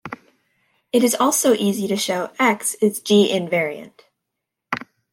It is also easy to show "X" is "G" invariant.